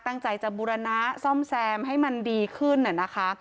ตั้งใจจะบุรณะส้อมแซมให้มันดีขึ้นเนี่ยนะคะครับ